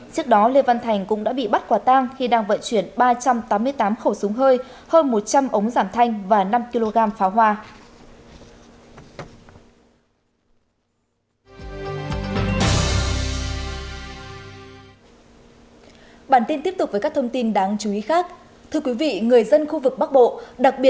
trước đó lê văn thành cũng đã bị bắt quả tang khi đang vận chuyển ba trăm tám mươi tám khẩu súng hơi